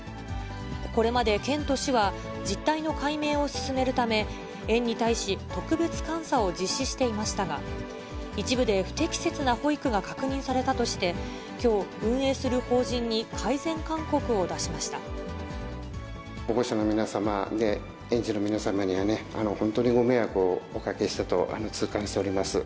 これまで県と市は、実態の解明を進めるため、園に対し特別監査を実施していましたが、一部で不適切な保育が確認されたとして、きょう、運営する法人に、保護者の皆様、園児の皆様には、本当にご迷惑をおかけしたと痛感しております。